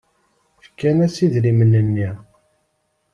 Fkan-as idrimen-nni.